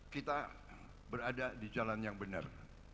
kita berada di jalan yang benar